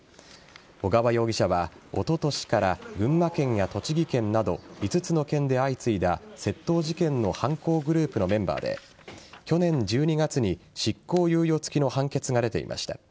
小川容疑者はおととしから群馬県や栃木県など５つの県で相次いだ窃盗事件の犯行グループのメンバーで去年１２月に執行猶予付きの判決が出ていました。